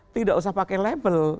tidak usah pakai label